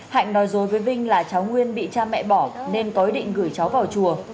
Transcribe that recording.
hạnh nói dối với vinh là cháu nguyên bị cha mẹ bỏ nên có ý định gửi cháu vào chùa